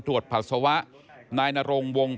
ตรวจผัสสวะนายนรงวง